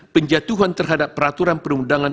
penjatuhan terhadap peraturan perundangan